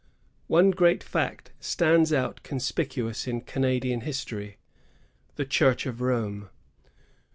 One great fact stands out conspicuous in Canadian history, — the Church of Rome.